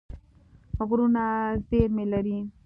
غرونه زېرمې لري.